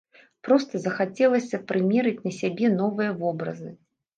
Проста захацелася прымерыць на сябе новыя вобразы.